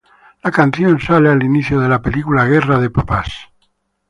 La Canción sale al inicio de la película "Guerra de Papás".